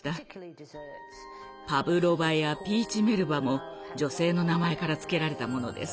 パブロバやピーチメルバも女性の名前から付けられたものです。